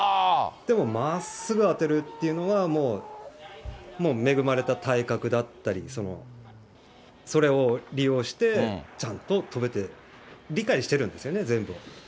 でも、まっすぐ当てるっていうのは、もう恵まれた体格だったり、それを利用して、ちゃんと飛べてる、理解してるんですよね、全部を。